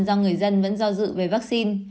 do người dân vẫn do dự về vaccine